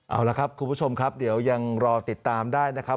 เอาละครับคุณผู้ชมครับเดี๋ยวยังรอติดตามได้นะครับ